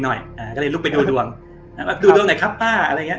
หน่อยอ่าก็เลยลุกไปดูดวงอ่าดูดวงหน่อยครับป้าอะไรอย่างเงี้